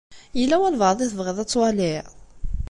Yella walebɛaḍ i tebɣiḍ ad twaliḍ?